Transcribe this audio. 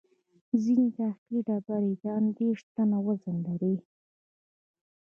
ځینې داخلي ډبرې یې ان دېرش ټنه وزن لري.